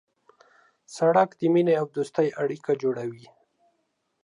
سړک د مینې او دوستۍ اړیکه جوړوي.